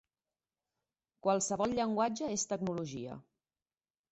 Qualsevol llenguatge és tecnologia.